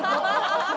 ハハハハ！